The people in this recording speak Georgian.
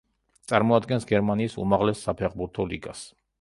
წარმოადგენს გერმანიის უმაღლეს საფეხბურთო ლიგას.